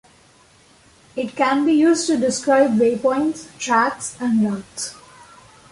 It can be used to describe waypoints, tracks, and routes.